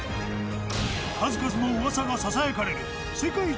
数々の噂がささやかれる世界一